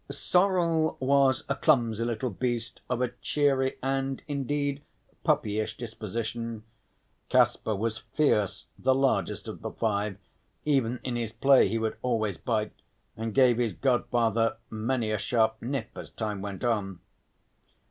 Sorel was a clumsy little beast of a cheery and indeed puppyish disposition; Kasper was fierce, the largest of the five, even in his play he would always bite, and gave his godfather many a sharp nip as time went on.